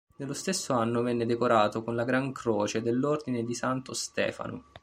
Nello stesso anno venne decorato con la Gran Croce dell'Ordine di Santo Stefano.